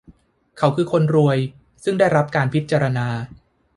เขาคือคนรวยซึ่งได้รับการพิจารณา